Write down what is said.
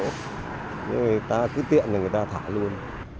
nhưng mà người ta cứ tiện rồi người ta thả luôn